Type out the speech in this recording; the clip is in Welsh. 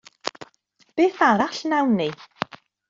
Beth arall wnawn ni?